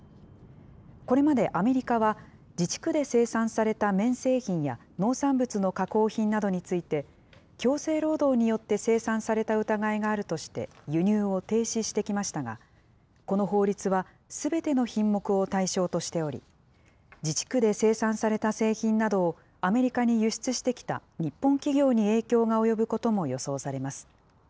これまで、アメリカは自治区で生産された綿製品や農産物の加工品などについて、強制労働によって生産された疑いがあるとして、輸入を停止してきましたが、この法律は、すべての品目を対象としており、自治区で生産された製品などをアメリカに輸出してきた日本企業に影響が及ぶことも予想されます。